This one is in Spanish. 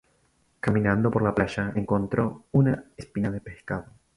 Caminando por la playa encontró una espina de pescado.